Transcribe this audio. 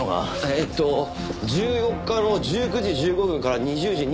えーっと１４日の１９時１５分から２０時２５分の間です。